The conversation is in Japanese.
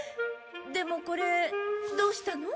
でもこれどうしたの？